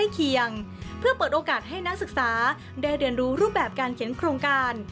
เคียงเพื่อเปิดโอกาสให้นักศึกษาได้เรียนรู้รูปแบบการเขียนโครงการ